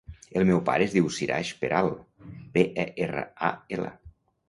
El meu pare es diu Siraj Peral: pe, e, erra, a, ela.